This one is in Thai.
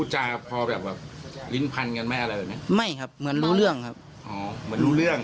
อ๋อเหมือนรู้เรื่อง